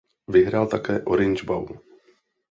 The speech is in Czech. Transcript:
Vyhrál také Orange Bowl.